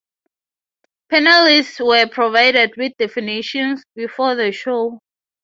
Panelists were provided with definitions before the show.